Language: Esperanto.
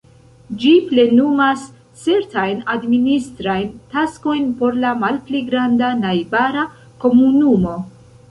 Ĝi plenumas certajn administrajn taskojn por la malpli granda najbara komunumo.